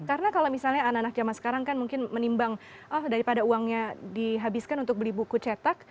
karena kalau misalnya anak anak zaman sekarang kan mungkin menimbang daripada uangnya dihabiskan untuk beli buku cetak